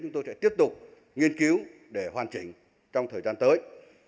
chúng tôi sẽ tiếp tục nghiên cứu để hoàn chỉnh trong thời gian tới